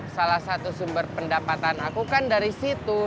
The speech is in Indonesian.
salah satu sumber pendapatan aku kan dari situ